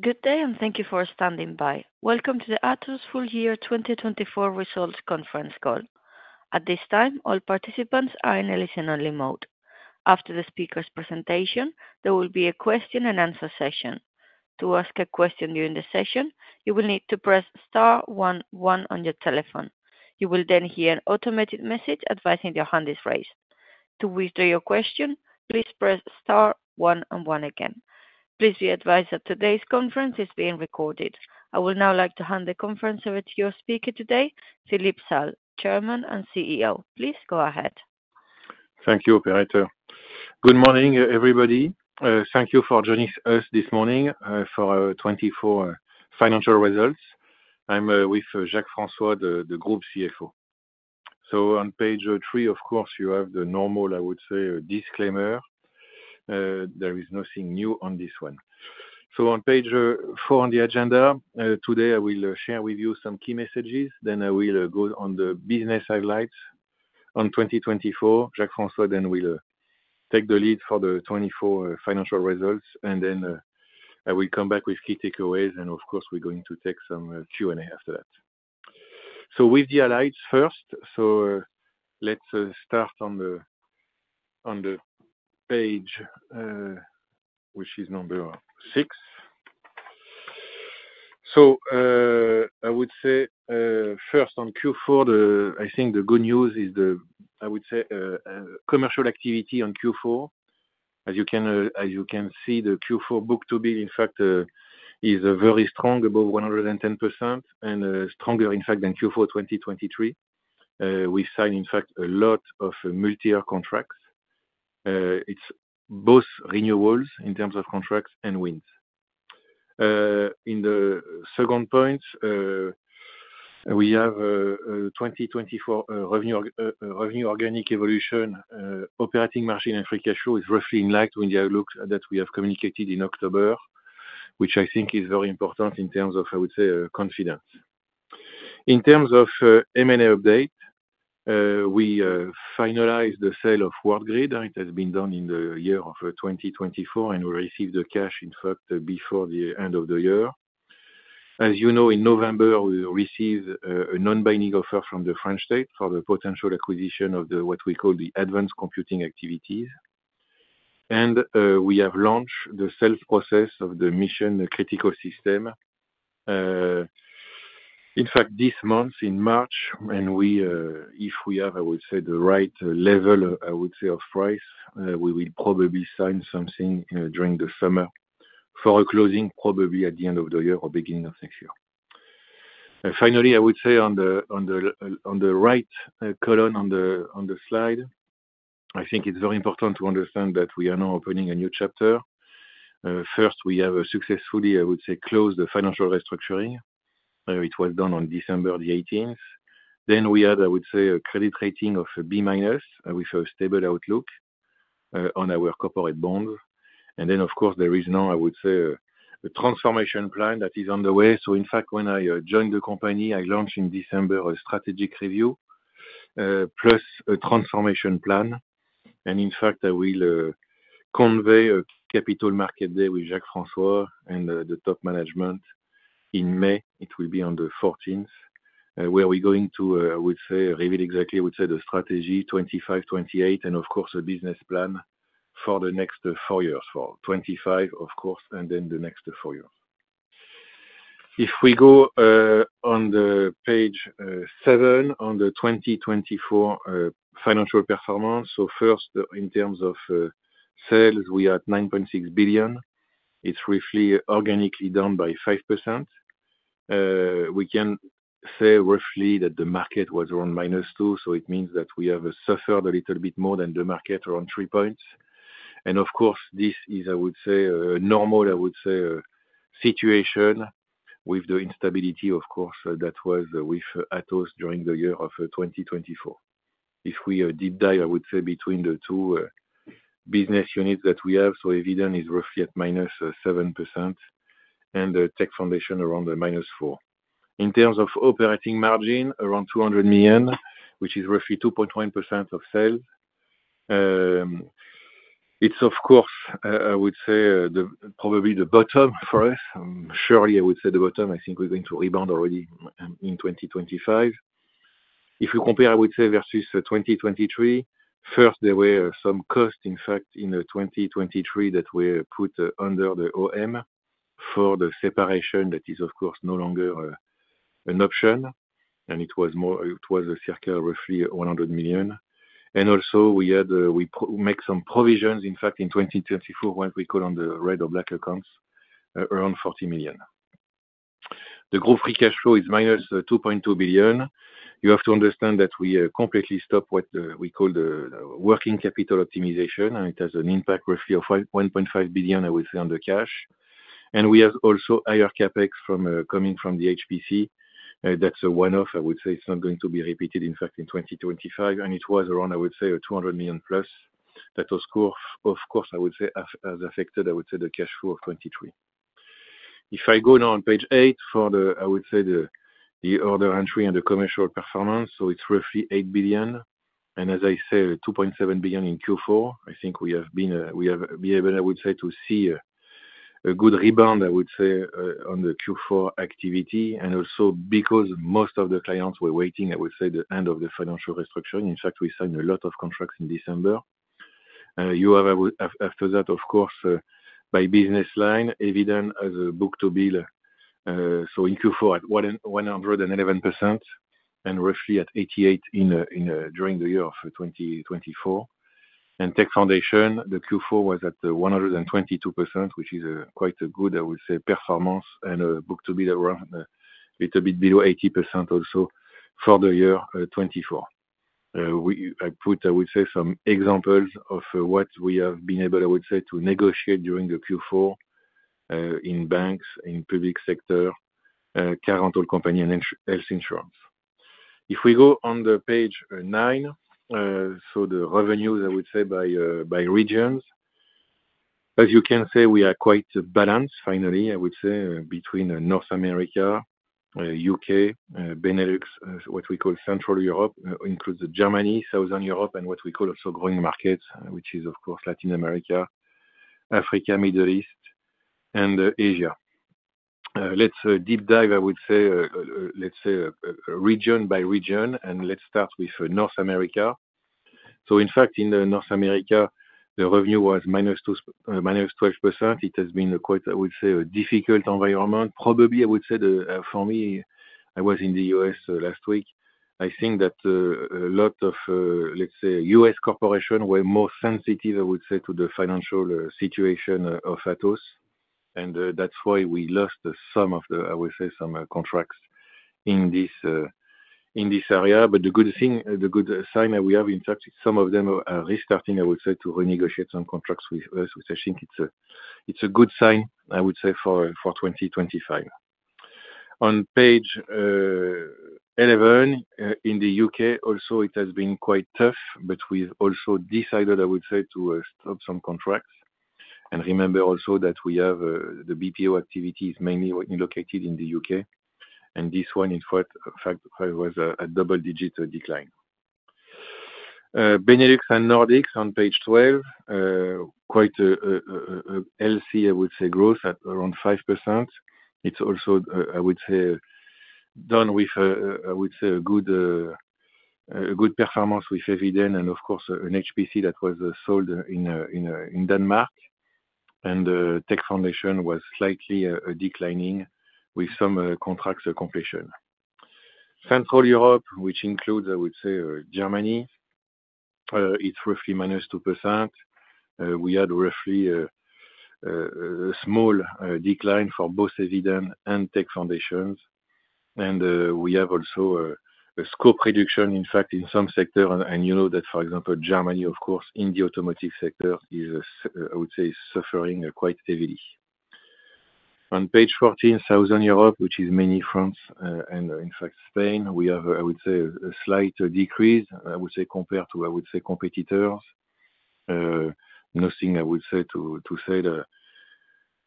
Good day, and thank you for standing by. Welcome to the Atos Full Year 2024 Results Conference Call. At this time, all participants are in a listen-only mode. After the speaker's presentation, there will be a question-and-answer session. To ask a question during the session, you will need to press star one one on your telephone. You will then hear an automated message advising your hand is raised. To withdraw your question, please press star one one again. Please be advised that today's conference is being recorded. I would now like to hand the conference over to your speaker today, Philippe Salle, Chairman and CEO. Please go ahead. Thank you, operator. Good morning, everybody. Thank you for joining us this morning for 2024 financial results. I'm with Jacques-François, the Group CFO. On page three, of course, you have the normal, I would say, disclaimer. There is nothing new on this one. On page four on the agenda, today I will share with you some key messages. I will go on the business highlights on 2024. Jacques-François then will take the lead for the 2024 financial results. I will come back with key takeaways. Of course, we're going to take some Q&A after that. With the highlights first, let's start on the page, which is number six. I would say first on Q4, I think the good news is the, I would say, commercial activity on Q4. As you can see, the Q4 book-to-bill, in fact, is very strong, above 110%, and stronger, in fact, than Q4 2023. We signed, in fact, a lot of multi-year contracts. It's both renewals in terms of contracts and wins. In the second point, we have 2024 revenue organic evolution. Operating margin and free cash flow is roughly in line with the outlook that we have communicated in October, which I think is very important in terms of, I would say, confidence. In terms of M&A update, we finalized the sale of Worldgrid. It has been done in the year of 2024, and we received the cash, in fact, before the end of the year. As you know, in November, we received a non-binding offer from the French state for the potential acquisition of what we call the advanced computing activities. We have launched the sales process of the mission critical system. In fact, this month, in March, and if we have, I would say, the right level, I would say, of price, we will probably sign something during the summer for a closing, probably at the end of the year or beginning of next year. Finally, I would say on the right column on the slide, I think it is very important to understand that we are now opening a new chapter. First, we have successfully, I would say, closed the financial restructuring. It was done on December 18, 2023. We had, I would say, a credit rating of B minus with a stable outlook on our corporate bonds. Of course, there is now, I would say, a transformation plan that is on the way. In fact, when I joined the company, I launched in December a strategic review plus a transformation plan. In fact, I will convey a Capital Market Day with Jacques-François and the top management in May. It will be on the 14th, where we're going to, I would say, reveal exactly, I would say, the strategy 2025-2028, and of course, a business plan for the next four years, for 2025, of course, and then the next four years. If we go on page seven on the 2024 financial performance, first, in terms of sales, we are at 9.6 billion. It's roughly organically down by 5%. We can say roughly that the market was around minus 2%. It means that we have suffered a little bit more than the market, around three points. Of course, this is, I would say, a normal, I would say, situation with the instability, of course, that was with Atos during the year of 2024. If we deep dive, I would say, between the two business units that we have, so Eviden is roughly at minus 7% and the Tech Foundations around minus 4%. In terms of operating margin, around 200 million, which is roughly 2.1% of sales. It's, of course, I would say, probably the bottom for us. Surely, I would say the bottom. I think we're going to rebound already in 2025. If you compare, I would say, versus 2023, first, there were some costs, in fact, in 2023 that were put under the OM for the separation that is, of course, no longer an option. And it was a circle of roughly 100 million. We made some provisions, in fact, in 2024, what we call on the red or black accounts, around 40 million. The group free cash flow is minus 2.2 billion. You have to understand that we completely stop what we call the working capital optimization. It has an impact roughly of 1.5 billion, I would say, on the cash. We have also higher CapEx coming from the HPC. That's a one-off, I would say. It's not going to be repeated, in fact, in 2025. It was around, I would say, 200 million plus. That was, of course, I would say, as affected, I would say, the cash flow of 2023. If I go now on page eight for the, I would say, the order entry and the commercial performance, it's roughly 8 billion. As I say, 2.7 billion in Q4. I think we have been, we have been able, I would say, to see a good rebound, I would say, on the Q4 activity. Also because most of the clients were waiting, I would say, the end of the financial restructuring. In fact, we signed a lot of contracts in December. You have, after that, of course, by business line, Eviden has a book-to-bill. In Q4, at 111% and roughly at 88% during the year of 2024. Tech Foundations, the Q4 was at 122%, which is quite a good, I would say, performance. Book-to-bill, around a little bit below 80% also for the year 2024. I put, I would say, some examples of what we have been able, I would say, to negotiate during the Q4 in banks, in public sector, Carroll Toll Company, and Health Insurance. If we go on the page nine, so the revenues, I would say, by regions, as you can see, we are quite balanced, finally, I would say, between North America, U.K., Benelux, what we call Central Europe, includes Germany, Southern Europe, and what we call also growing markets, which is, of course, Latin America, Africa, Middle East, and Asia. Let's deep dive, I would say, let's say, region by region, and let's start with North America. In fact, in North America, the revenue was minus 12%. It has been quite, I would say, a difficult environment. Probably, I would say, for me, I was in the U.S. last week. I think that a lot of, let's say, U.S. corporations were more sensitive, I would say, to the financial situation of Atos. That's why we lost some of the, I would say, some contracts in this area. The good sign that we have, in fact, is some of them are restarting, I would say, to renegotiate some contracts with us, which I think it's a good sign, I would say, for 2025. On page 11, in the U.K., also, it has been quite tough, but we've also decided, I would say, to stop some contracts. Remember also that we have the BPO activity is mainly located in the U.K. This one, in fact, was a double-digit decline. Benelux and Nordics on page 12, quite healthy, I would say, growth at around 5%. It's also, I would say, done with, I would say, a good performance with Eviden. Of course, an HPC that was sold in Denmark. Tech Foundations was slightly declining with some contracts completion. Central Europe, which includes, I would say, Germany, it's roughly minus 2%. We had roughly a small decline for both Eviden and Tech Foundations. We have also a scope reduction, in fact, in some sectors. You know that, for example, Germany, of course, in the automotive sector is, I would say, suffering quite heavily. On page 14, Southern Europe, which is mainly France and, in fact, Spain, we have, I would say, a slight decrease, I would say, compared to, I would say, competitors. Nothing, I would say, to say,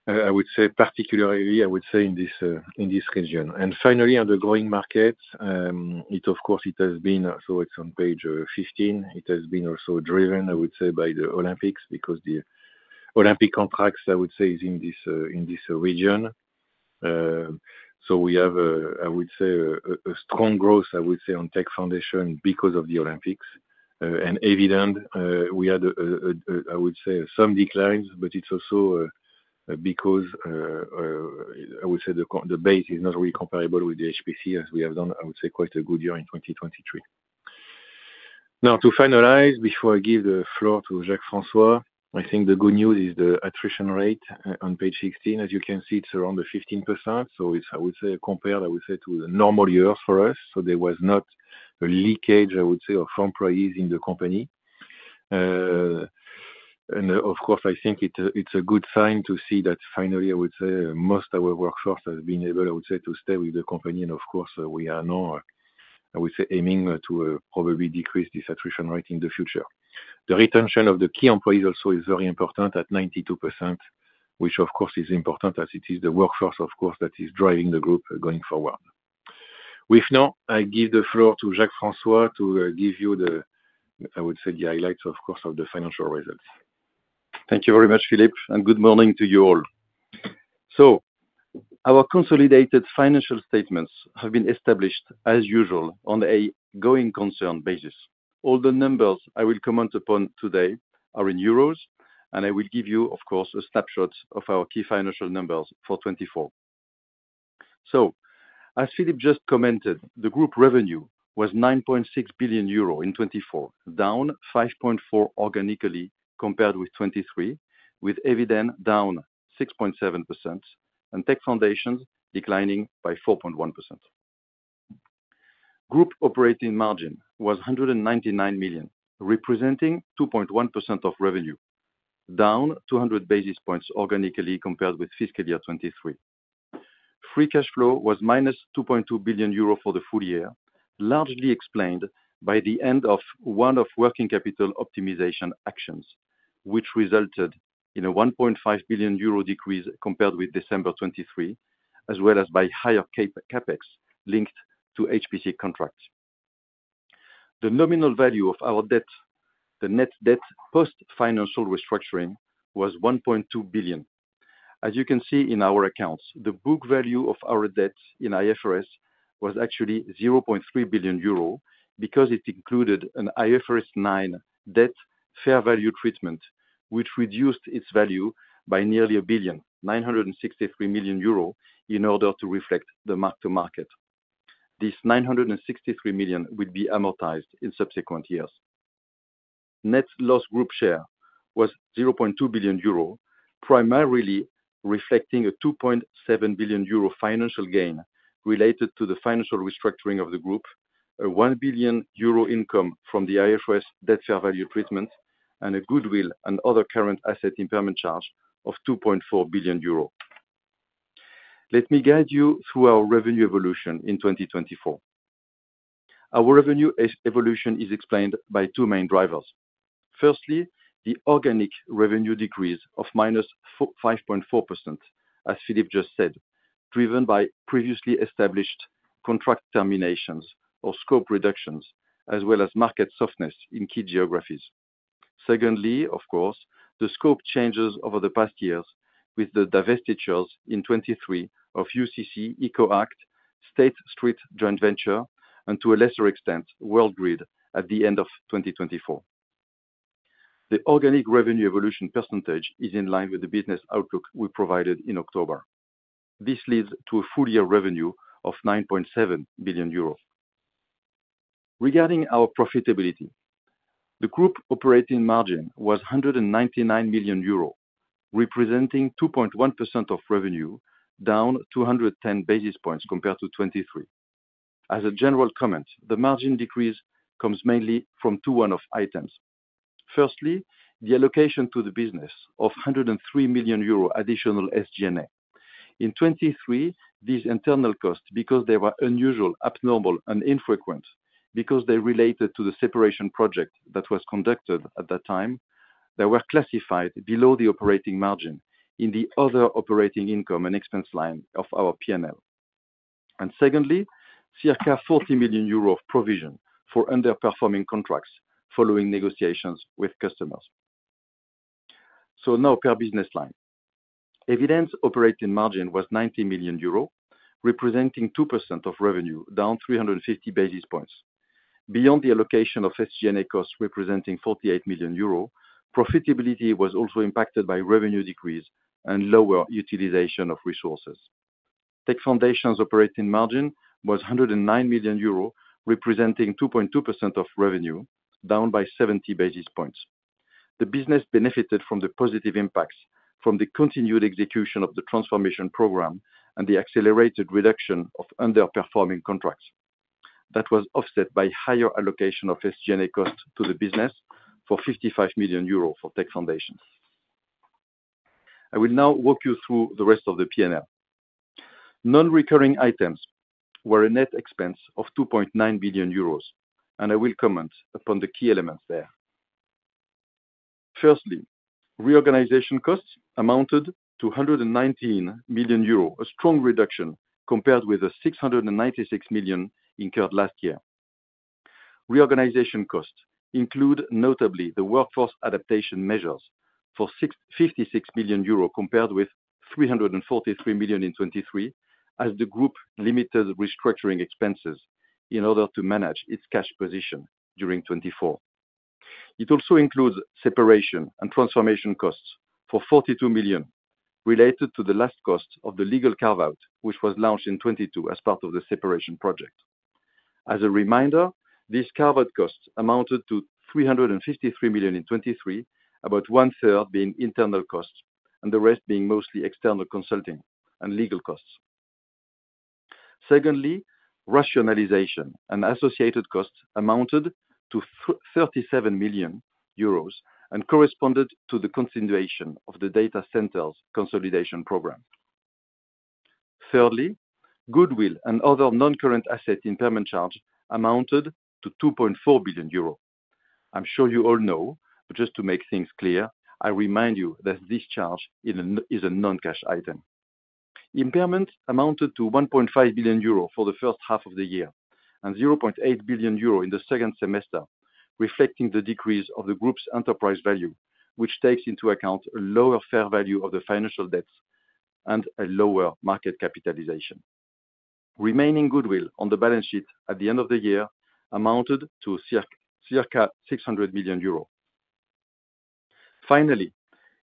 I would say, particularly, I would say, in this region. Finally, on the growing markets, it, of course, it has been, so it is on page 15, it has been also driven, I would say, by the Olympics because the Olympic contracts, I would say, is in this region. We have, I would say, a strong growth, I would say, on Tech Foundations because of the Olympics. Eviden, we had, I would say, some declines, but it's also because, I would say, the base is not really comparable with the HPC, as we have done, I would say, quite a good year in 2023. To finalize, before I give the floor to Jacques-François, I think the good news is the attrition rate on page 16. As you can see, it's around 15%. It's, I would say, compared, I would say, to the normal years for us. There was not a leakage, I would say, of employees in the company. Of course, I think it's a good sign to see that finally, I would say, most of our workforce has been able, I would say, to stay with the company. Of course, we are now, I would say, aiming to probably decrease this attrition rate in the future. The retention of the key employees also is very important at 92%, which, of course, is important as it is the workforce, of course, that is driving the group going forward. With now, I give the floor to Jacques-François to give you the, I would say, the highlights, of course, of the financial results. Thank you very much, Philippe, and good morning to you all. Our consolidated financial statements have been established, as usual, on a going concern basis. All the numbers I will comment upon today are in EUR. I will give you, of course, a snapshot of our key financial numbers for 2024. As Philippe just commented, the group revenue was 9.6 billion euro in 2024, down 5.4% organically compared with 2023, with Eviden down 6.7%, and Tech Foundations declining by 4.1%. Group operating margin was 199 million, representing 2.1% of revenue, down 200 basis points organically compared with fiscal year 2023. Free cash flow was minus 2.2 billion euro for the full year, largely explained by the end of one of working capital optimization actions, which resulted in a 1.5 billion euro decrease compared with December 2023, as well as by higher CapEx linked to HPC contracts. The nominal value of our debt, the net debt post-financial restructuring, was 1.2 billion. As you can see in our accounts, the book value of our debt in IFRS was actually 0.3 billion euro because it included an IFRS 9 debt fair value treatment, which reduced its value by nearly a billion, 963 million euro, in order to reflect the mark-to-market. This 963 million would be amortized in subsequent years. Net loss group share was 0.2 billion euro, primarily reflecting a 2.7 billion euro financial gain related to the financial restructuring of the group, a 1 billion euro income from the IFRS 9 debt fair value treatment, and a goodwill and other current asset impairment charge of 2.4 billion euro. Let me guide you through our revenue evolution in 2024. Our revenue evolution is explained by two main drivers. Firstly, the organic revenue decrease of -5.4%, as Philippe just said, driven by previously established contract terminations or scope reductions, as well as market softness in key geographies. Secondly, of course, the scope changes over the past years with the divestitures in 2023 of UCC, EcoAct, State Street Joint Venture, and to a lesser extent, Worldgrid, at the end of 2024. The organic revenue evolution percentage is in line with the business outlook we provided in October. This leads to a full year revenue of 9.7 billion euros. Regarding our profitability, the group operating margin was 199 million euro, representing 2.1% of revenue, down 210 basis points compared to 2023. As a general comment, the margin decrease comes mainly from two one-off items. Firstly, the allocation to the business of 103 million euro additional SG&A. In 2023, these internal costs, because they were unusual, abnormal, and infrequent, because they related to the separation project that was conducted at that time, they were classified below the operating margin in the other operating income and expense line of our P&L. Secondly, circa 40 million euros of provision for underperforming contracts following negotiations with customers. Now, per business line, Eviden's operating margin was 90 million euros, representing 2% of revenue, down 350 basis points. Beyond the allocation of SG&A costs representing 48 million euros, profitability was also impacted by revenue decrease and lower utilization of resources. Tech Foundations operating margin was 109 million euro, representing 2.2% of revenue, down by 70 basis points. The business benefited from the positive impacts from the continued execution of the transformation program and the accelerated reduction of underperforming contracts. That was offset by higher allocation of SG&A costs to the business for 55 million euros for Tech Foundations. I will now walk you through the rest of the P&L. Non-recurring items were a net expense of 2.9 billion euros. I will comment upon the key elements there. Firstly, reorganization costs amounted to 119 million euros, a strong reduction compared with the 696 million incurred last year. Reorganization costs include notably the workforce adaptation measures for 56 million euro compared with 343 million in 2023, as the group limited restructuring expenses in order to manage its cash position during 2024. It also includes separation and transformation costs for 42 million related to the last cost of the legal carve-out, which was launched in 2022 as part of the separation project. As a reminder, these carve-out costs amounted to 353 million in 2023, about one-third being internal costs and the rest being mostly external consulting and legal costs. Secondly, rationalization and associated costs amounted to 37 million euros and corresponded to the continuation of the data centers consolidation program. Thirdly, goodwill and other non-current asset impairment charge amounted to 2.4 billion euro. I'm sure you all know, but just to make things clear, I remind you that this charge is a non-cash item. Impairment amounted to 1.5 billion euro for the first half of the year and 0.8 billion euro in the second semester, reflecting the decrease of the group's enterprise value, which takes into account a lower fair value of the financial debts and a lower market capitalization. Remaining goodwill on the balance sheet at the end of the year amounted to circa 600 million euros. Finally,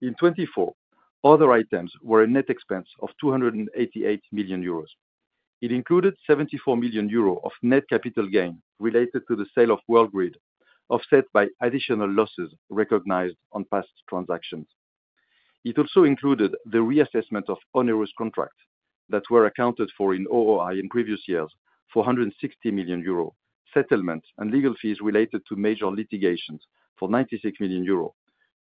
in 2024, other items were a net expense of 288 million euros. It included 74 million euros of net capital gain related to the sale of Worldgrid, offset by additional losses recognized on past transactions. It also included the reassessment of onerous contracts that were accounted for in OOI in previous years for 160 million euro, settlement and legal fees related to major litigations for 96 million euro,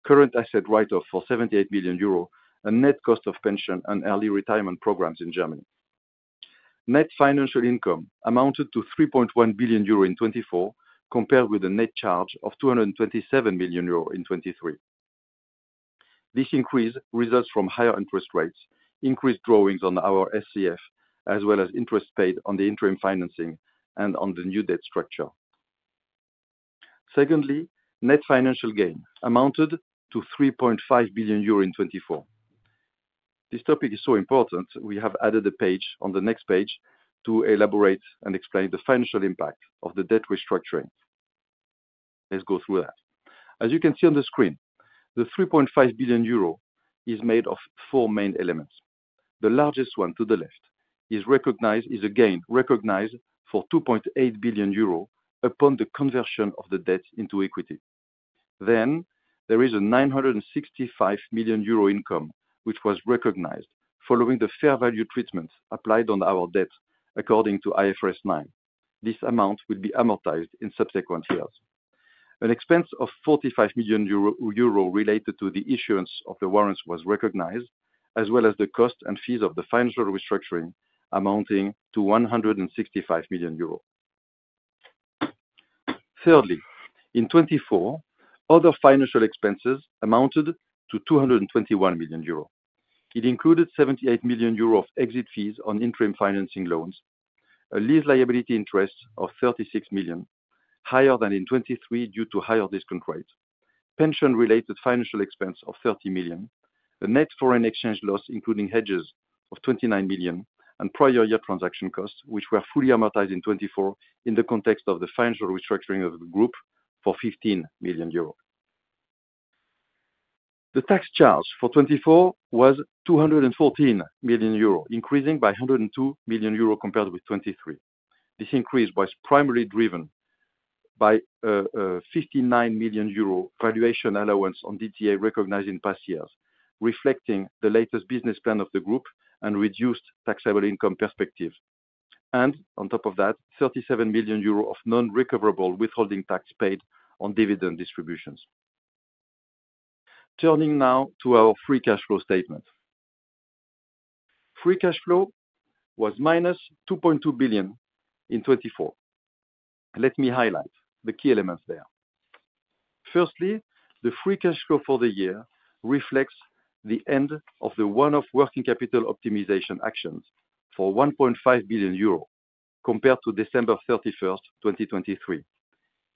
current asset write-off for 78 million euro, and net cost of pension and early retirement programs in Germany. Net financial income amounted to 3.1 billion euro in 2024 compared with a net charge of 227 million euro in 2023. This increase results from higher interest rates, increased drawings on our SCF, as well as interest paid on the interim financing and on the new debt structure. Secondly, net financial gain amounted to 3.5 billion euro in 2024. This topic is so important, we have added a page on the next page to elaborate and explain the financial impact of the debt restructuring. Let's go through that. As you can see on the screen, the 3.5 billion euro is made of four main elements. The largest one to the left is recognized as a gain recognized for 2.8 billion euro upon the conversion of the debt into equity. Then, there is a 965 million euro income, which was recognized following the fair value treatment applied on our debt according to IFRS 9. This amount will be amortized in subsequent years. An expense of 45 million euro related to the issuance of the warrants was recognized, as well as the cost and fees of the financial restructuring amounting to 165 million euros. Thirdly, in 2024, other financial expenses amounted to 221 million euros. It included 78 million euros of exit fees on interim financing loans, a lease liability interest of 36 million, higher than in 2023 due to higher discount rates, pension-related financial expense of 30 million, a net foreign exchange loss including hedges of 29 million, and prior year transaction costs, which were fully amortized in 2024 in the context of the financial restructuring of the group for 15 million euros. The tax charge for 2024 was 214 million euros, increasing by 102 million euros compared with 2023. This increase was primarily driven by a 59 million euro valuation allowance on DTA recognized in past years, reflecting the latest business plan of the group and reduced taxable income perspective. On top of that, 37 million euro of non-recoverable withholding tax paid on dividend distributions. Turning now to our free cash flow statement. Free cash flow was minus 2.2 billion in 2024. Let me highlight the key elements there. Firstly, the free cash flow for the year reflects the end of the one-off working capital optimization actions for 1.5 billion euro compared to December 31, 2023.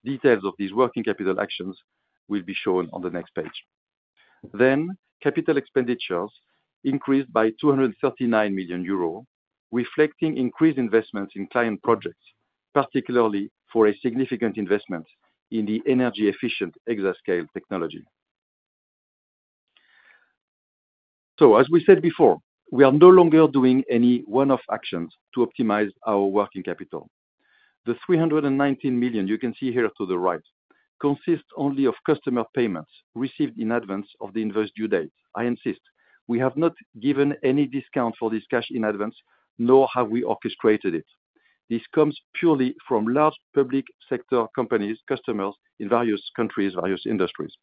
Details of these working capital actions will be shown on the next page. Capital expenditures increased by 239 million euros, reflecting increased investments in client projects, particularly for a significant investment in the energy-efficient exascale technology. As we said before, we are no longer doing any one-off actions to optimize our working capital. The 319 million you can see here to the right consists only of customer payments received in advance of the inverse due date. I insist, we have not given any discount for this cash in advance, nor have we orchestrated it. This comes purely from large public sector companies, customers in various countries, various industries.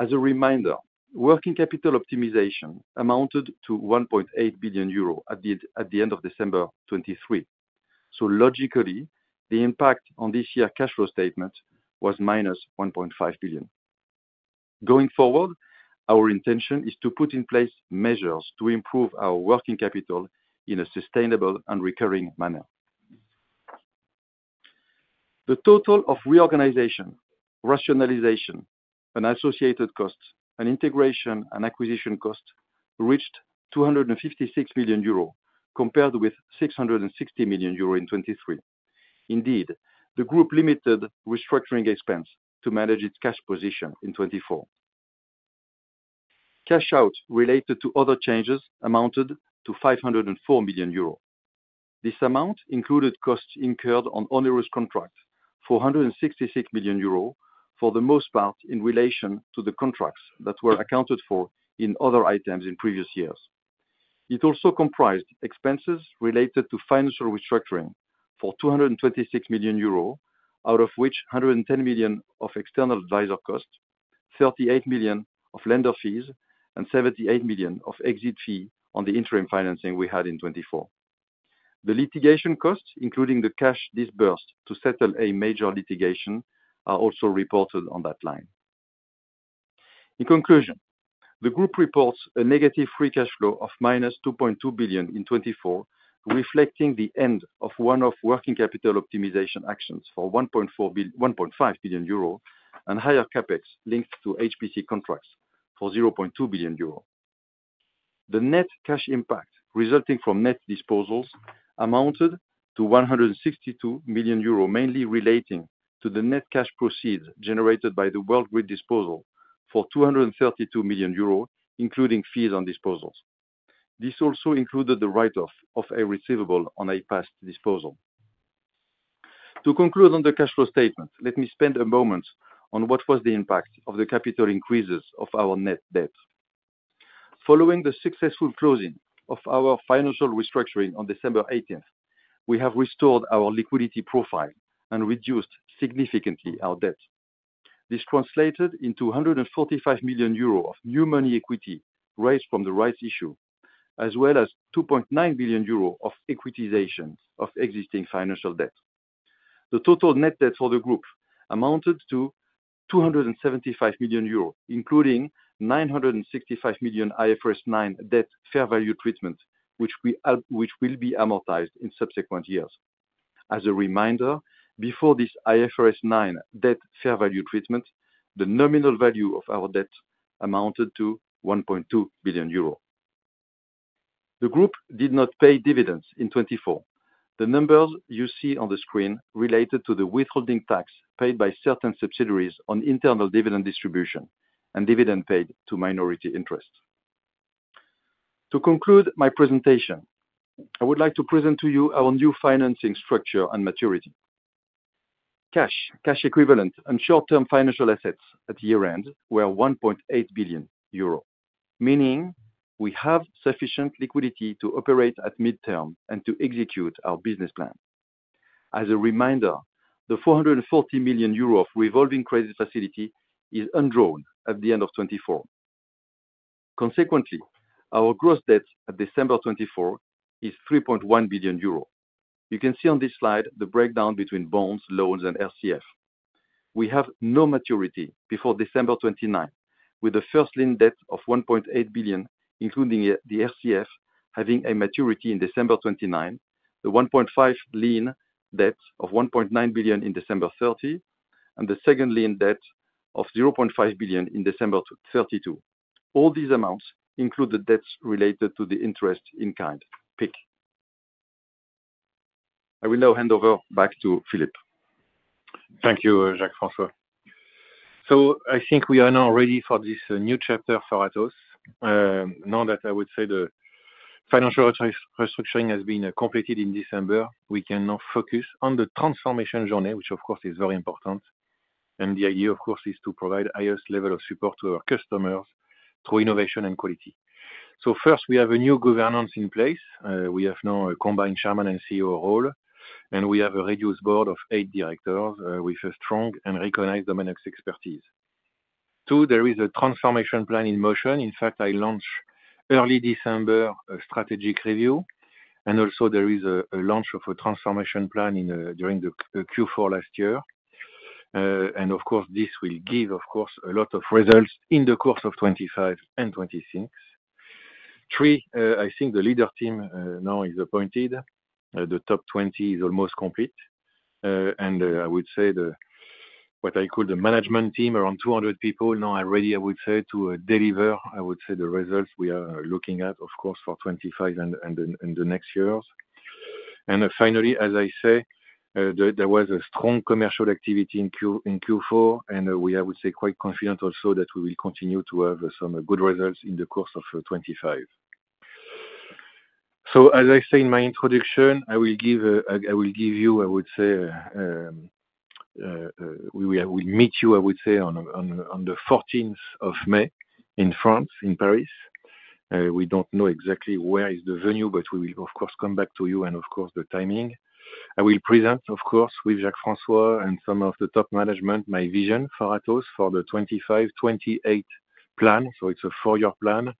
As a reminder, working capital optimization amounted to 1.8 billion euros at the end of December 2023. Logically, the impact on this year's cash flow statement was minus 1.5 billion. Going forward, our intention is to put in place measures to improve our working capital in a sustainable and recurring manner. The total of reorganization, rationalization, and associated costs, and integration and acquisition costs reached 256 million euro compared with 660 million euro in 2023. Indeed, the group limited restructuring expense to manage its cash position in 2024. Cash out related to other changes amounted to 504 million euros. This amount included costs incurred on onerous contracts for 166 million euros, for the most part in relation to the contracts that were accounted for in other items in previous years. It also comprised expenses related to financial restructuring for 226 million euros, out of which 110 million of external advisor costs, 38 million of lender fees, and 78 million of exit fee on the interim financing we had in 2024. The litigation costs, including the cash disbursed to settle a major litigation, are also reported on that line. In conclusion, the group reports a negative free cash flow of minus 2.2 billion in 2024, reflecting the end of one-off working capital optimization actions for 1.5 billion euro and higher CapEx linked to HPC contracts for 0.2 billion euro. The net cash impact resulting from net disposals amounted to 162 million euro, mainly relating to the net cash proceeds generated by the Worldgrid disposal for 232 million euros, including fees on disposals. This also included the write-off of a receivable on a past disposal. To conclude on the cash flow statement, let me spend a moment on what was the impact of the capital increases of our net debt. Following the successful closing of our financial restructuring on December 18th, we have restored our liquidity profile and reduced significantly our debt. This translated into 145 million euro of new money equity raised from the rights issue, as well as 2.9 billion euro of equitization of existing financial debt. The total net debt for the group amounted to 275 million euros, including 965 million IFRS 9 debt fair value treatment, which will be amortized in subsequent years. As a reminder, before this IFRS 9 debt fair value treatment, the nominal value of our debt amounted to 1.2 billion euro. The group did not pay dividends in 2024. The numbers you see on the screen related to the withholding tax paid by certain subsidiaries on internal dividend distribution and dividend paid to minority interest. To conclude my presentation, I would like to present to you our new financing structure and maturity. Cash, cash equivalent, and short-term financial assets at year-end were 1.8 billion euro, meaning we have sufficient liquidity to operate at midterm and to execute our business plan. As a reminder, the 440 million euro of revolving credit facility is undrawn at the end of 2024. Consequently, our gross debt at December 2024 is 3.1 billion euro. You can see on this slide the breakdown between bonds, loans, and RCF. We have no maturity before December 2029, with the first lien debt of 1.8 billion, including the RCF, having a maturity in December 2029, the 1.5 lien debt of 1.9 billion in December 2030, and the second lien debt of 0.5 billion in December 2032. All these amounts include the debts related to the interest in kind. I will now hand over back to Philippe. Thank you, Jacques-François. I think we are now ready for this new chapter for Atos. Now that I would say the financial restructuring has been completed in December, we can now focus on the transformation journey, which, of course, is very important. The idea, of course, is to provide the highest level of support to our customers through innovation and quality. First, we have a new governance in place. We have now a combined Chairman and CEO role, and we have a reduced board of eight directors with a strong and recognized dominox expertise. Two, there is a transformation plan in motion. In fact, I launched early December a strategic review, and also there is a launch of a transformation plan during the Q4 last year. Of course, this will give, of course, a lot of results in the course of 2025 and 2026. Three, I think the leader team now is appointed. The top 20 is almost complete. I would say what I call the management team, around 200 people, now are ready, I would say, to deliver, I would say, the results we are looking at, of course, for 2025 and the next years. Finally, as I say, there was a strong commercial activity in Q4, and we are, I would say, quite confident also that we will continue to have some good results in the course of 2025. As I say in my introduction, I will give you, I would say, we will meet you, I would say, on the 14th of May in France, in Paris. We do not know exactly where is the venue, but we will, of course, come back to you and, of course, the timing. I will present, of course, with Jacques-François and some of the top management my vision for Atos for the 2025-2028 plan. It is a four-year plan.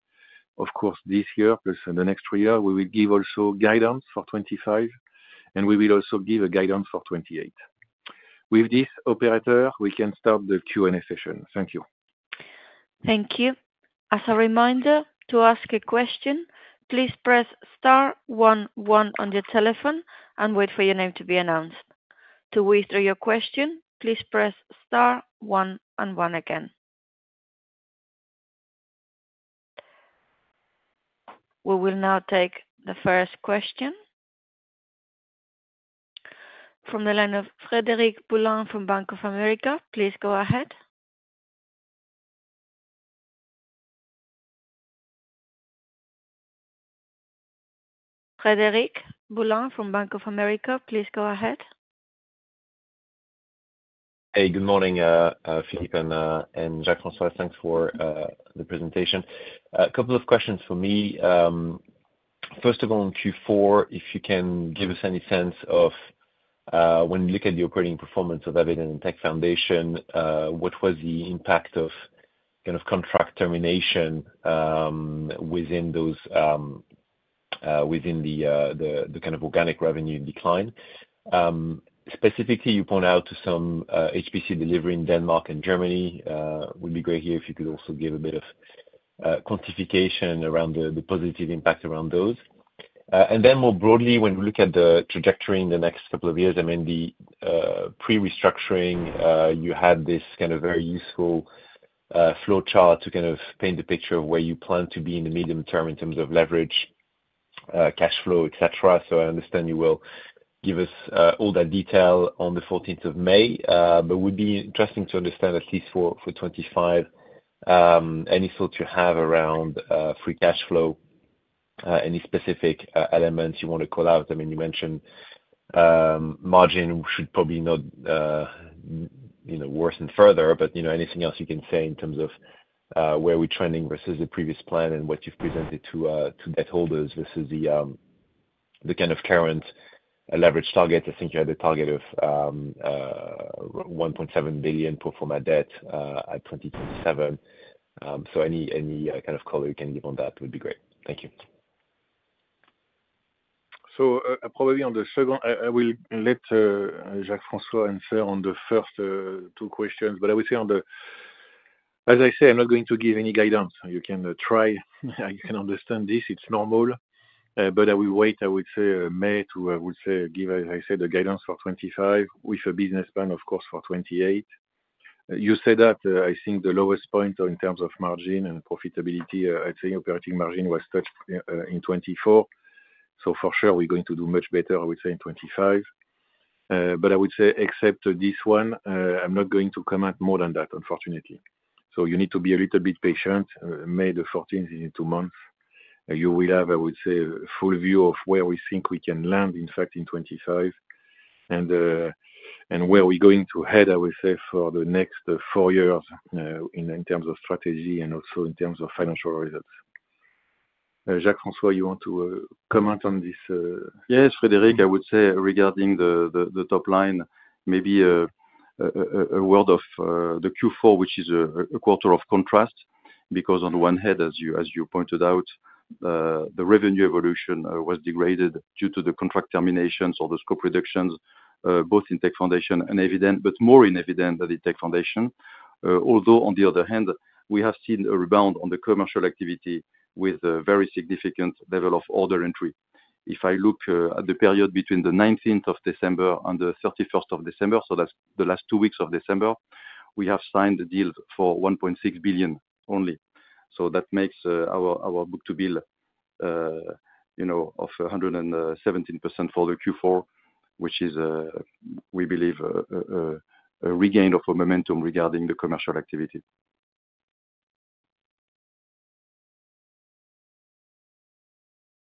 Of course, this year plus the next three years, we will give also guidance for 2025, and we will also give a guidance for 2028. With this operator, we can start the Q&A session. Thank you. Thank you. As a reminder, to ask a question, please press star 1one one on your telephone and wait for your name to be announced. To withdraw your question, please press star 11 again. We will now take the first question from the line of Frederic Boulan from Bank of America. Please go ahead. Frederic Boulan from Bank of America, please go ahead. Hey, good morning, Philippe and Jacques-François. Thanks for the presentation. A couple of questions for me. First of all, in Q4, if you can give us any sense of, when you look at the operating performance of Eviden and Tech Foundations, what was the impact of kind of contract termination within the kind of organic revenue decline? Specifically, you point out to some HPC delivery in Denmark and Germany. It would be great here if you could also give a bit of quantification around the positive impact around those. More broadly, when we look at the trajectory in the next couple of years, I mean, the pre-restructuring, you had this kind of very useful flow chart to kind of paint a picture of where you plan to be in the medium term in terms of leverage, cash flow, etc. I understand you will give us all that detail on the 14th of May, but it would be interesting to understand, at least for 2025, any thoughts you have around free cash flow, any specific elements you want to call out. I mean, you mentioned margin should probably not worsen further, but anything else you can say in terms of where we're trending versus the previous plan and what you've presented to debt holders versus the kind of current leverage target. I think you had a target of 1.7 billion pro forma debt at 2027. So, any kind of color you can give on that would be great. Thank you. Probably on the second, I will let Jacques-François answer on the first two questions, but I would say, as I say, I'm not going to give any guidance. You can try. You can understand this. It's normal. I will wait, I would say, May to, I would say, give, as I say, the guidance for 2025 with a business plan, of course, for 2028. You said that, I think, the lowest point in terms of margin and profitability, I'd say operating margin was touched in 2024. For sure, we're going to do much better, I would say, in 2025. I would say, except this one, I'm not going to comment more than that, unfortunately. You need to be a little bit patient. May the 14th is in two months. You will have, I would say, a full view of where we think we can land, in fact, in 2025 and where we're going to head, I would say, for the next four years in terms of strategy and also in terms of financial results. Jacques-François, you want to comment on this? Yes, Frederic, I would say, regarding the top line, maybe a word of the Q4, which is a quarter of contrast, because on the one hand, as you pointed out, the revenue evolution was degraded due to the contract terminations or the scope reductions, both in Tech Foundations and Eviden, but more in Eviden than in Tech Foundations. Although, on the other hand, we have seen a rebound on the commercial activity with a very significant level of order entry. If I look at the period between the 19th of December and the 31st of December, so that's the last two weeks of December, we have signed deals for 1.6 billion only. That makes our book-to-bill of 117% for the Q4, which is, we believe, a regain of momentum regarding the commercial activity.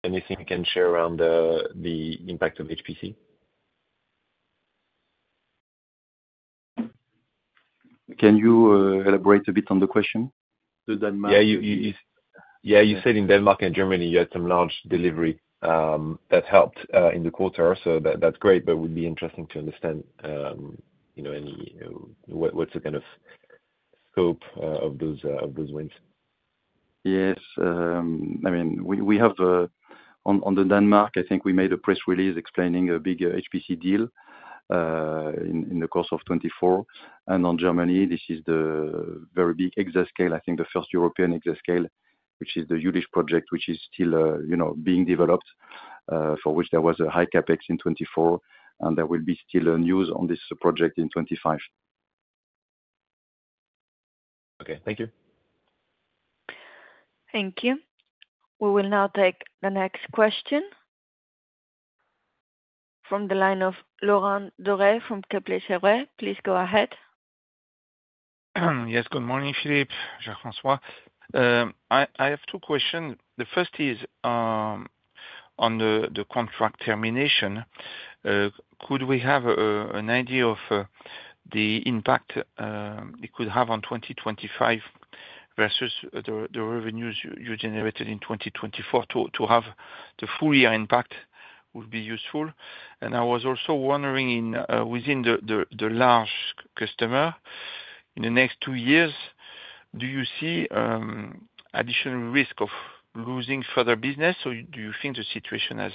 Anything you can share around the impact of HPC? Can you elaborate a bit on the question? Yeah, you said in Denmark and Germany, you had some large delivery that helped in the quarter. That is great, but it would be interesting to understand what is the kind of scope of those wins? Yes. I mean, we have, on Denmark, I think we made a press release explaining a big HPC deal in the course of 2024. On Germany, this is the very big exascale, I think the first European exascale, which is the Jülich project, which is still being developed, for which there was a high CapEx in 2024. There will be still news on this project in 2025. Okay. Thank you. Thank you. We will now take the next question from the line of Laurent Dorel from Kepler Cheuvreux. Please go ahead. Yes. Good morning, Philippe, Jacques-François. I have two questions. The first is on the contract termination. Could we have an idea of the impact it could have on 2025 versus the revenues you generated in 2024? To have the full year impact would be useful. I was also wondering, within the large customer, in the next two years, do you see additional risk of losing further business? Do you think the situation has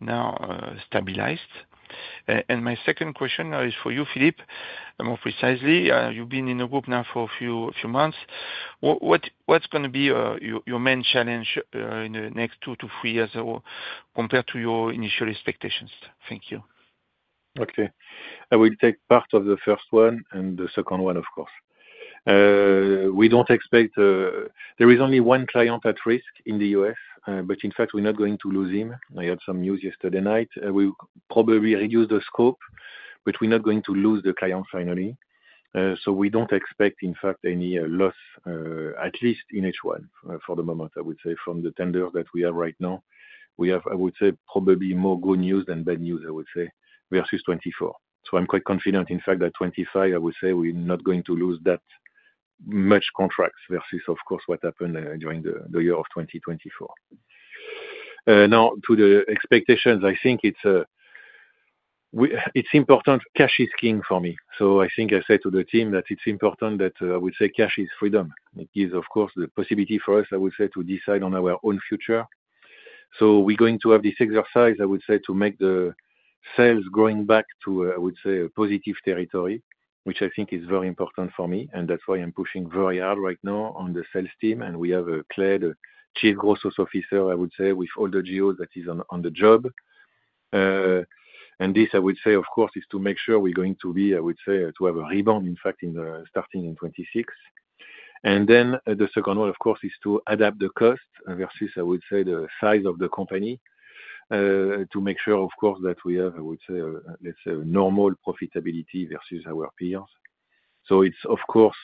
now stabilized? My second question is for you, Philippe, more precisely. You've been in the group now for a few months. What's going to be your main challenge in the next two to three years compared to your initial expectations? Thank you. Okay. I will take part of the first one and the second one, of course. We don't expect there is only one client at risk in the U.S., but in fact, we're not going to lose him. I had some news yesterday night. We probably reduce the scope, but we're not going to lose the client finally. We don't expect, in fact, any loss, at least in H1 for the moment, I would say, from the tenders that we have right now. We have, I would say, probably more good news than bad news, I would say, versus 2024. I'm quite confident, in fact, that 2025, I would say, we're not going to lose that much contracts versus, of course, what happened during the year of 2024. Now, to the expectations, I think it's important cash is king for me. I think I said to the team that it's important that I would say cash is freedom. It gives, of course, the possibility for us, I would say, to decide on our own future. We're going to have this exercise, I would say, to make the sales growing back to, I would say, positive territory, which I think is very important for me. That's why I'm pushing very hard right now on the sales team. We have a clear chief growth officer, I would say, with all the GOs that is on the job. This, I would say, of course, is to make sure we're going to be, I would say, to have a rebound, in fact, starting in 2026. The second one, of course, is to adapt the cost versus, I would say, the size of the company to make sure, of course, that we have, I would say, let's say, a normal profitability versus our peers. Of course,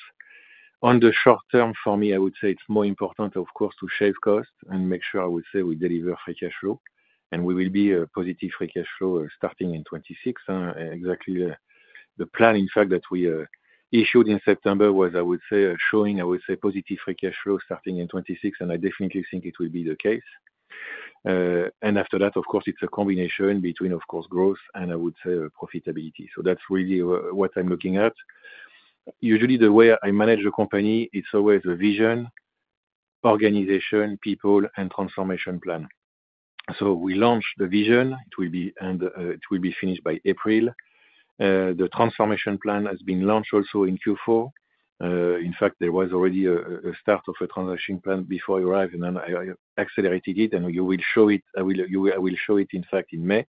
on the short term for me, I would say it's more important, of course, to shave cost and make sure, I would say, we deliver free cash flow. We will be a positive free cash flow starting in 2026. Exactly the plan, in fact, that we issued in September was, I would say, showing, I would say, positive free cash flow starting in 2026. I definitely think it will be the case. After that, of course, it's a combination between, of course, growth and, I would say, profitability. That's really what I'm looking at. Usually, the way I manage a company, it's always a vision, organization, people, and transformation plan. We launch the vision. It will be finished by April. The transformation plan has been launched also in Q4. In fact, there was already a start of a transition plan before you arrived, and then I accelerated it, and you will show it. I will show it, in fact, in May.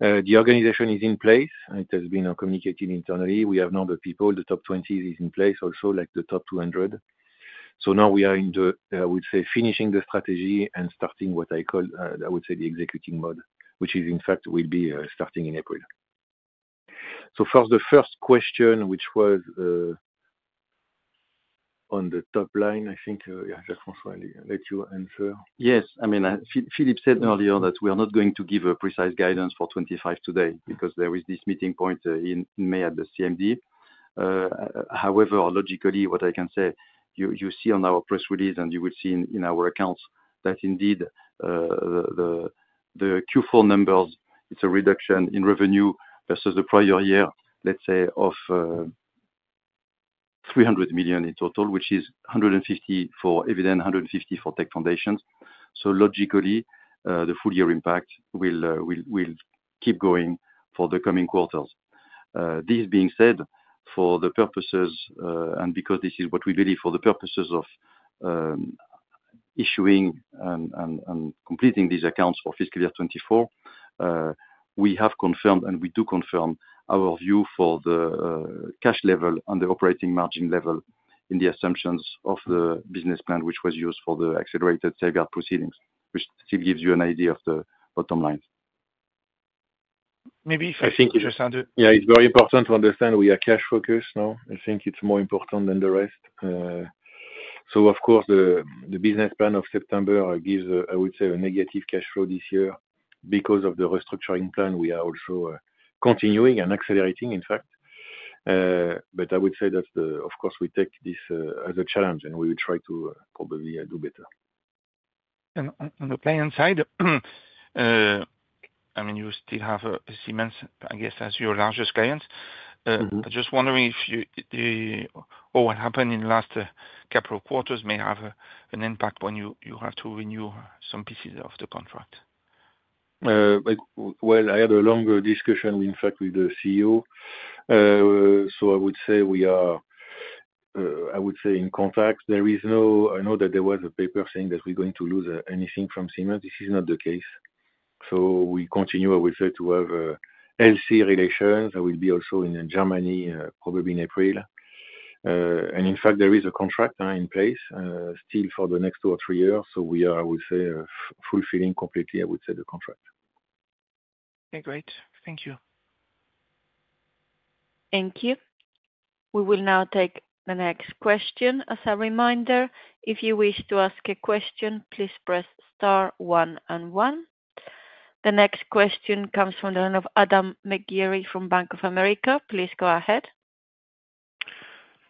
The organization is in place. It has been communicated internally. We have now the people. The top 20 is in place also, like the top 200. Now we are in the, I would say, finishing the strategy and starting what I call, I would say, the executive mode, which is, in fact, will be starting in April. First, the first question, which was on the top line, I think, Jacques-François, let you answer. Yes. I mean, Philippe said earlier that we are not going to give a precise guidance for 2025 today because there is this meeting point in May at the CMD. However, logically, what I can say, you see on our press release, and you will see in our accounts that indeed the Q4 numbers, it's a reduction in revenue versus the prior year, let's say, of 300 million in total, which is 150 million for Eviden, 150 million for Tech Foundations. Logically, the full year impact will keep going for the coming quarters. This being said, for the purposes, and because this is what we believe, for the purposes of issuing and completing these accounts for fiscal year 2024, we have confirmed, and we do confirm our view for the cash level and the operating margin level in the assumptions of the business plan, which was used for the accelerated safeguard proceedings, which still gives you an idea of the bottom line. Maybe if I think it's just under it. Yeah, it's very important to understand we are cash focused now. I think it's more important than the rest. Of course, the business plan of September gives, I would say, a negative cash flow this year because of the restructuring plan we are also continuing and accelerating, in fact. I would say that, of course, we take this as a challenge, and we will try to probably do better. On the client side, I mean, you still have Siemens, I guess, as your largest client. I'm just wondering if what happened in the last couple of quarters may have an impact when you have to renew some pieces of the contract. I had a long discussion, in fact, with the CEO. I would say we are, I would say, in contact. There is no, I know that there was a paper saying that we're going to lose anything from Siemens. This is not the case. We continue, I would say, to have LC relations. I will be also in Germany probably in April. In fact, there is a contract in place still for the next two or three years. We are, I would say, fulfilling completely, I would say, the contract. Okay. Great. Thank you. Thank you. We will now take the next question. As a reminder, if you wish to ask a question, please press star, one, and one. The next question comes from the line of Adam Megyeri from Bank of America. Please go ahead.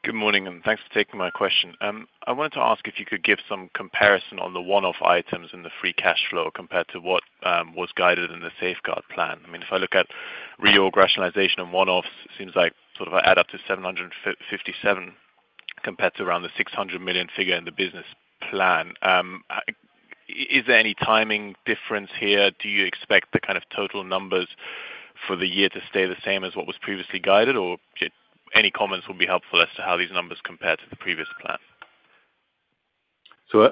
Good morning, and thanks for taking my question. I wanted to ask if you could give some comparison on the one-off items in the free cash flow compared to what was guided in the safeguard plan. I mean, if I look at reorganization and one-offs, it seems like sort of an add-up to 757 million compared to around the 600 million figure in the business plan. Is there any timing difference here? Do you expect the kind of total numbers for the year to stay the same as what was previously guided, or any comments would be helpful as to how these numbers compare to the previous plan?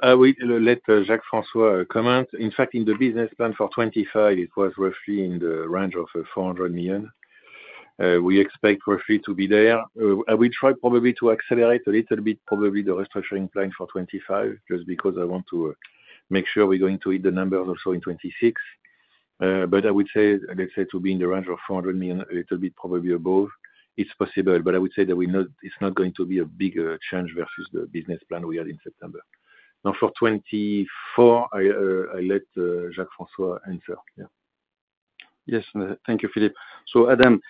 I will let Jacques-François comment. In fact, in the business plan for 2025, it was roughly in the range of 400 million. We expect roughly to be there. I will try probably to accelerate a little bit, probably the restructuring plan for 2025, just because I want to make sure we're going to hit the numbers also in 2026. I would say, let's say, to be in the range of 400 million, a little bit probably above, it's possible. I would say that it's not going to be a big change versus the business plan we had in September. Now, for 2024, I let Jacques-François answer. Yes. Thank you, Philippe. Adam,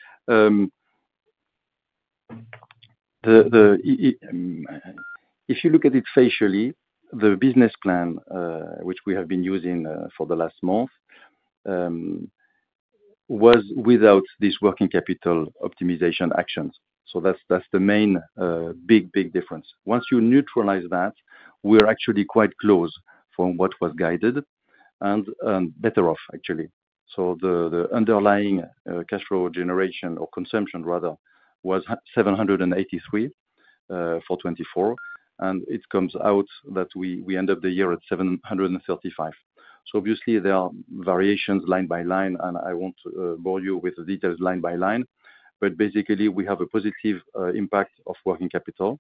if you look at it facially, the business plan, which we have been using for the last month, was without this working capital optimization actions. That's the main big, big difference. Once you neutralize that, we're actually quite close from what was guided and better off, actually. The underlying cash flow generation or consumption, rather, was 783 million for 2024. It comes out that we end up the year at 735 million. Obviously, there are variations line by line, and I won't bore you with the details line by line. Basically, we have a positive impact of working capital.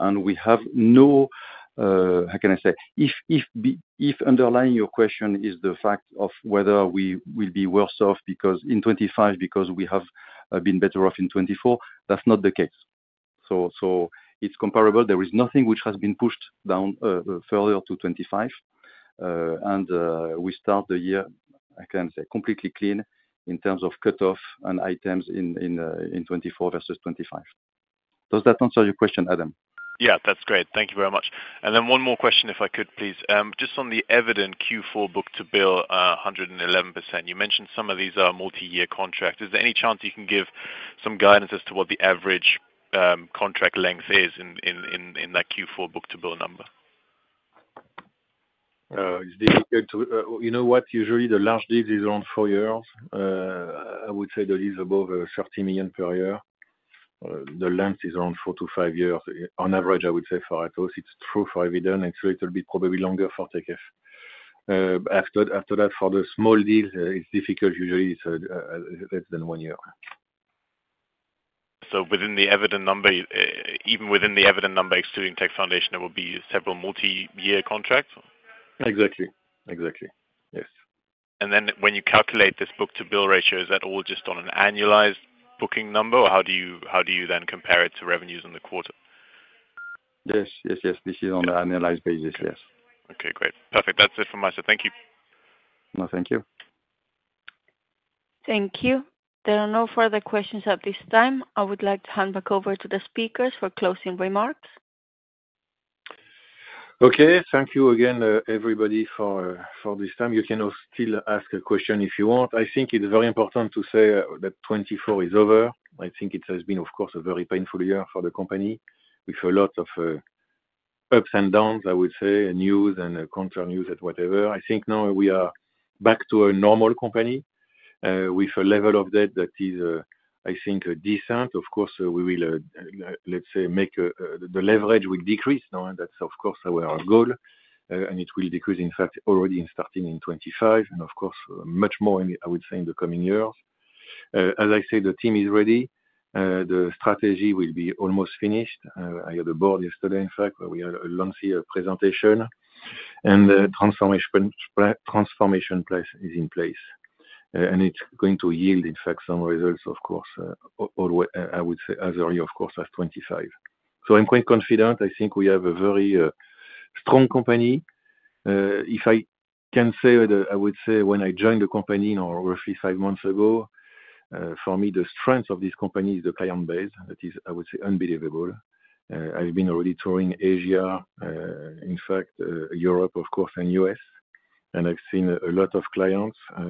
We have no, how can I say? If underlying your question is the fact of whether we will be worse off because in 2025, because we have been better off in 2024, that's not the case. It is comparable. There is nothing which has been pushed down further to 2025. We start the year, I can say, completely clean in terms of cutoff and items in 2024 versus 2025. Does that answer your question, Adam? Yeah. That's great. Thank you very much. One more question, if I could, please. Just on the Eviden Q4 book-to-bill 111%, you mentioned some of these are multi-year contracts. Is there any chance you can give some guidance as to what the average contract length is in that Q4 book-to-bill number? Is this good to you, you know what? Usually, the large deals is around four years. I would say the deals above 30 million per year, the length is around four to five years. On average, I would say, for us, it's true for Eviden. It's a little bit probably longer for Tech Foundations. After that, for the small deal, it's difficult. Usually, it's less than one year. Within the Eviden number, even within the Eviden number, excluding Tech Foundations, there will be several multi-year contracts? Exactly. Exactly. Yes. When you calculate this book-to-bill ratio, is that all just on an annualized booking number, or how do you then compare it to revenues in the quarter? Yes. Yes. Yes. This is on the annualized basis. Yes. Okay. Great. Perfect. That's it from my side. Thank you. No, thank you. Thank you. There are no further questions at this time. I would like to hand back over to the speakers for closing remarks. Okay. Thank you again, everybody, for this time. You can still ask a question if you want. I think it's very important to say that 2024 is over. I think it has been, of course, a very painful year for the company with a lot of ups and downs, I would say, news and counter news and whatever. I think now we are back to a normal company with a level of debt that is, I think, decent. Of course, we will, let's say, make the leverage will decrease. That is, of course, our goal. It will decrease, in fact, already starting in 2025. Of course, much more, I would say, in the coming years. As I say, the team is ready. The strategy will be almost finished. I had a board yesterday, in fact, where we had a lengthy presentation. The transformation plan is in place. It is going to yield, in fact, some results, of course, I would say, as early, of course, as 2025. I am quite confident. I think we have a very strong company. If I can say, I would say, when I joined the company roughly five months ago, for me, the strength of this company is the client base. That is, I would say, unbelievable. I have been already touring Asia, in fact, Europe, of course, and the U.S. I have seen a lot of clients. I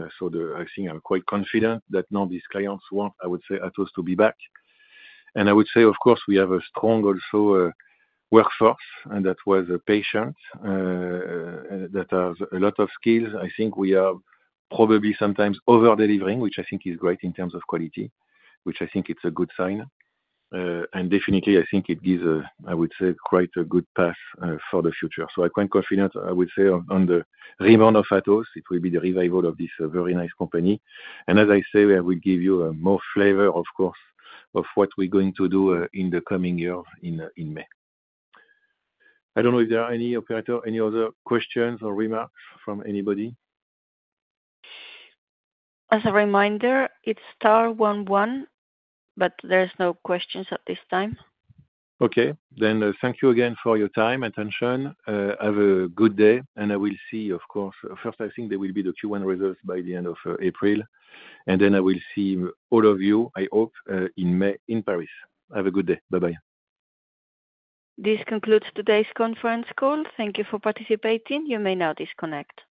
think I am quite confident that now these clients want, I would say, us to be back. I would say, of course, we have a strong also workforce that was patient, that has a lot of skills. I think we are probably sometimes over-delivering, which I think is great in terms of quality, which I think is a good sign. I think it gives, I would say, quite a good path for the future. I am quite confident, I would say, on the rebound of Atos. It will be the revival of this very nice company. As I say, I will give you more flavor, of course, of what we are going to do in the coming years in May. I do not know if there are any operator, any other questions or remarks from anybody. As a reminder, it is star one, one, but there are no questions at this time. Okay. Thank you again for your time and attention. Have a good day. I will see, of course, first, I think there will be the Q1 results by the end of April. I will see all of you, I hope, in May in Paris. Have a good day. Bye-bye. This concludes today's conference call. Thank you for participating. You may now disconnect.